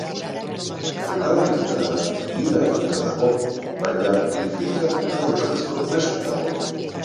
Jokalari katalana min hartuta dago, baina infiltratuta jokatzeko prest dago.